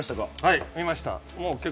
はい、見ました。